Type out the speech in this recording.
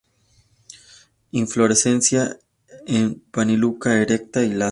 Inflorescencia en panícula erecta y laxa.